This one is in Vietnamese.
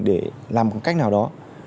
để làm một cách nào đó